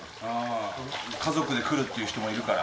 家族で来るっていう人もいるから。